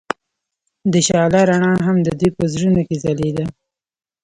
د شعله رڼا هم د دوی په زړونو کې ځلېده.